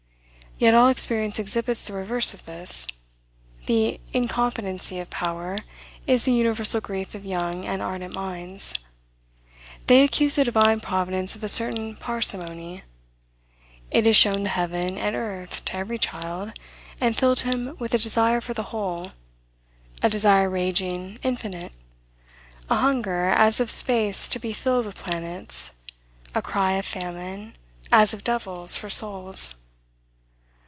Yet, all experience exhibits the reverse of this; the incompetency of power is the universal grief of young and ardent minds. They accuse the divine Providence of a certain parsimony. It has shown the heaven and earth to every child, and filled him with a desire for the whole; a desire raging, infinite; a hunger, as of space to be filled with planets; a cry of famine, as of devils for souls.